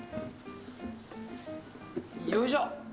よいしょ。